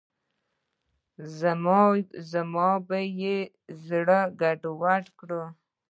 زما به یې زړه ګډوډ کړ.